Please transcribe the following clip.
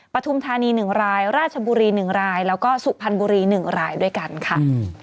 ปฐุมธานี๑รายราชบุรี๑รายแล้วก็สุพรรณบุรี๑รายด้วยกันค่ะ